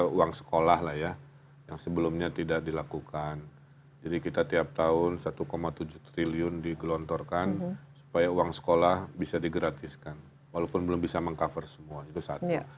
ada uang sekolah lah ya yang sebelumnya tidak dilakukan jadi kita tiap tahun satu tujuh triliun digelontorkan supaya uang sekolah bisa digratiskan walaupun belum bisa meng cover semua itu satu